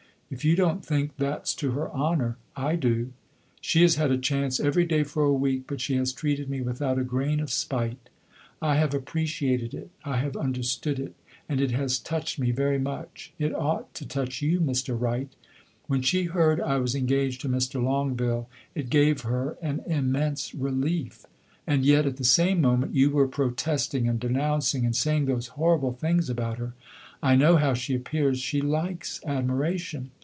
If you don't think that 's to her honor, I do. She has had a chance every day for a week, but she has treated me without a grain of spite. I have appreciated it, I have understood it, and it has touched me very much. It ought to touch you, Mr. Wright. When she heard I was engaged to Mr. Longueville, it gave her an immense relief. And yet, at the same moment you were protesting, and denouncing, and saying those horrible things about her! I know how she appears she likes admiration.